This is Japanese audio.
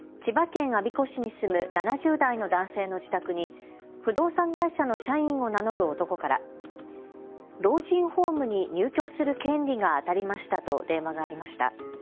ことし６月、千葉県我孫子市に住む７０代の男性の自宅に不動産会社の社員を名乗る男から老人ホームに入居する権利が当たりましたと電話がありました。